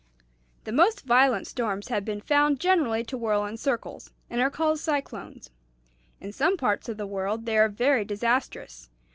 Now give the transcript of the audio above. "The most violent storms have been found generally to whirl in circles, and are called cyclones. In some parts of the world they are very disastrous.